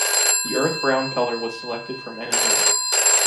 The earth brown color was selected for men and women.